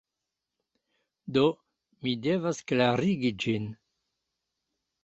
Do, mi devas klarigi ĝin.